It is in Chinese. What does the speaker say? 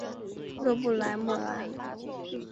勒布莱莫兰。